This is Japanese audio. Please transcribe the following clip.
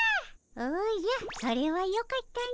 おじゃそれはよかったの。